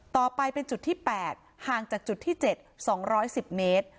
ต่อไปเป็นจุดที่๘ห่างจากจุดที่๗๒๑๐เมตร